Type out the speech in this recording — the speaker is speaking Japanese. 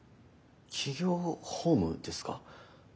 企業法務ですか？